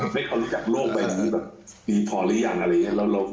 ไม่ต้องจัดโลกไปดีพอหรือยังอะไรอย่างนี้